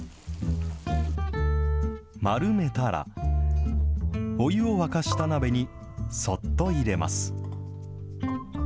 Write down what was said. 丸めたら、お湯を沸かした鍋にそっと入れます。